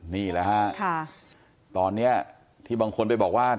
นี่แหละฮะตอนนี้ที่บางคนไปบอกว่า